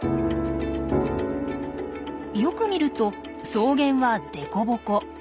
よく見ると草原はデコボコ。